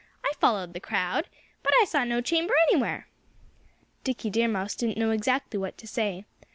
"I followed the crowd. But I saw no chamber anywhere." Dickie Deer Mouse didn't know exactly what to say.